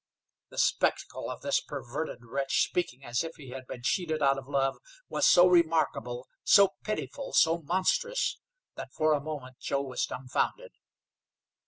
The spectacle of this perverted wretch speaking as if he had been cheated out of love was so remarkable, so pitiful, so monstrous, that for a moment Joe was dumbfounded.